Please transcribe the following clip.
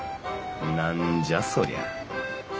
何じゃそりゃ。